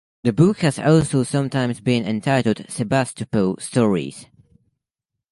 The book has also sometimes been entitled Sebastopol Stories.